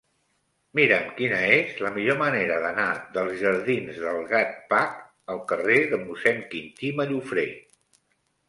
Mira'm quina és la millor manera d'anar dels jardins del Gatcpac al carrer de Mossèn Quintí Mallofrè.